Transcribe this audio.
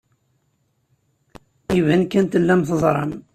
Iban kan tellam teẓram.